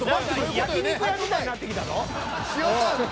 焼き肉屋みたいになってきたぞ。